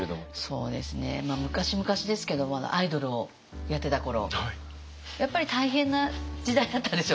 そうですね昔々ですけどもアイドルをやってた頃やっぱり大変な時代だったんですよ